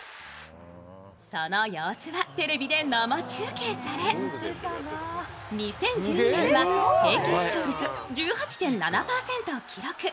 その様子はテレビで生中継され、２０１０年は平均視聴率１７．８％を記録。